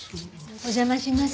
お邪魔します。